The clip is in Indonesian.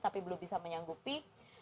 tapi belum bisa menyanggupi